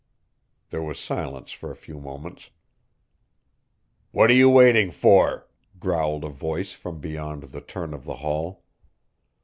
There was silence for a few moments. "What are you waiting for?" growled a voice from beyond the turn of the hall.